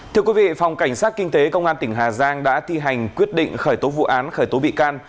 thưa quý vị phòng cảnh sát kinh tế công an tỉnh hà giang đã thi hành quyết định khởi tố vụ án khởi tố bị can